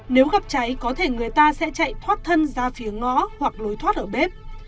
trong cấp cháy có thể người ta sẽ chạy thoát thân ra phía ngõ hoặc lối thoát ở bếp